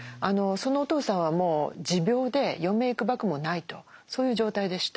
そのお父さんはもう持病で余命いくばくもないとそういう状態でした。